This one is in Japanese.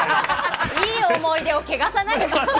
いい思い出を汚さないでくださいよ。